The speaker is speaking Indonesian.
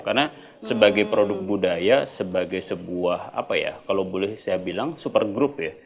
karena sebagai produk budaya sebagai sebuah apa ya kalau boleh saya bilang super group ya